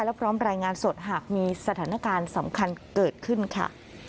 และพร้อมรายงานสดหากมีสถานการณ์สำคัญเกิดขึ้นค่ะ